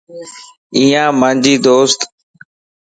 ايا مانجي دوست